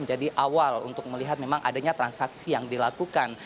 menjadi awal untuk melihat memang adanya transaksi yang dilakukan